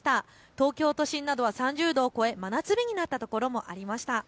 東京都心などは３０度を超え真夏日になった所もありました。